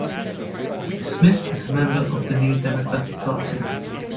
Smith is a member of the New Democratic Party.